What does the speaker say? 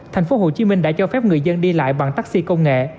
tp hcm đã cho phép người dân đi lại bằng taxi công nghệ